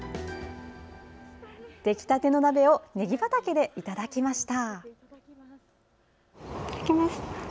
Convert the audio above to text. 出来たての鍋をねぎ畑でいただきました。